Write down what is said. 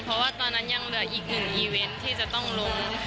เพราะว่าตอนนั้นยังเหลืออีกหนึ่งอีเวนต์ที่จะต้องล้ม